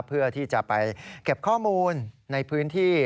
เพื่อที่จะไปเก็บข้อมูลในพื้นที่